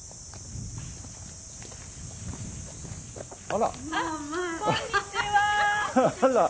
あっこんにちは。